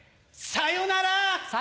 さよなら！